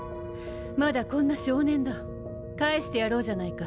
まだこんな少年だ返してやろうじゃないか。